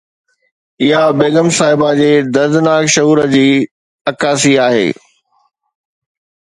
اها بيگم صاحبه جي دردناڪ شعور جي عڪاسي آهي